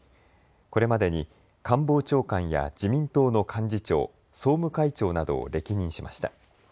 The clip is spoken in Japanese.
これまでに官房長官や自民党の幹事長、総務会長などを歴任しました。